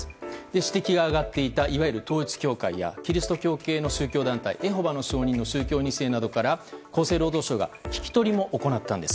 指摘が上がっていた統一教会やキリスト系教の宗教団体エホバの証人の宗教２世などから厚生労働省が聞き取りも行ったんです。